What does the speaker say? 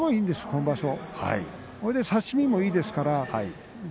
今場所、差し身もいいですから。